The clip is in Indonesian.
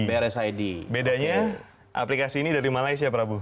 brsid bedanya aplikasi ini dari malaysia prabu